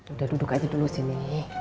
udah duduk aja dulu sini